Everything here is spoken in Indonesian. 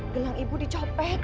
gelang ibu dicopet